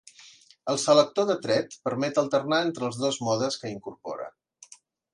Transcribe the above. El selector de tret permet alternar entre els dos modes que incorpora.